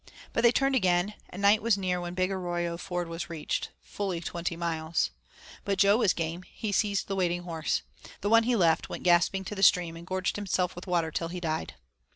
But they turned again, and night was near when Big Arroyo ford was reached fully twenty miles. But Jo was game, he seized the waiting horse. The one he left went gasping to the stream and gorged himself with water till he died.